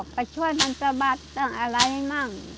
ไปช่วยมันสะบัดบ้างอะไรมั่ง